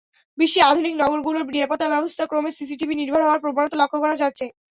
বিশ্বে আধুনিক নগরগুলোর নিরাপত্তাব্যবস্থা ক্রমে সিসিটিভি-নির্ভর হওয়ার প্রবণতা লক্ষ করা যাচ্ছে।